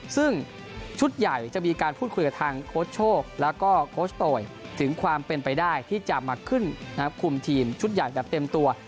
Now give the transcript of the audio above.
ซึ่งชุดใหญ่จะมีการพูดคุยกับทางโค้ชโชคแล้วก็โค้ชโตยถึงความเป็นไปได้ที่จะมาขึ้นคุมทีมชุดใหญ่แบบเต็มตัว